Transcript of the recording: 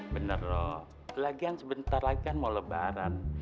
bener loh lagian sebentar lagi kan mau lebaran